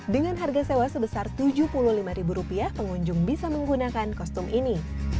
dengan harga sewa sebesar tujuh puluh lima pengunjung bisa menggunakan kostum ini